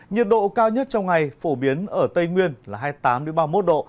nhiệt độ cao nhất trong ngày phổ biến ở tây nguyên là hai mươi tám ba mươi một độ